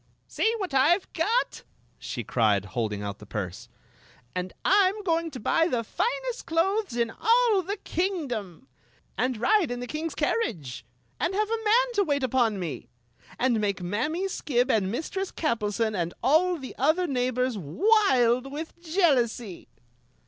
"See what I Ve got!" she cried, holding out the purse. " And I 'm going to buy the finest clothes in Story of the Magic Clo ak 83 4 all the kingdom ! And ride in the king s carriage ! And have a man to wait upon me! And make Mammy Skib and Mistress Kappleson and all the other neighbors wild with jealousy